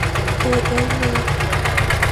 কে এই মেয়ে?